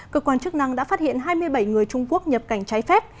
cơ quan chức năng đã phát hiện hai mươi bảy người trung quốc nhập cảnh trái phép